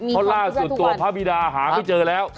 เพราะล่าสุดตัวพระบิดาหาไม่เจอแล้ว